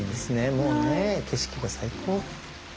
もうね景色が最高。